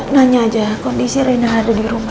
nanya aja kondisi rena ada di rumah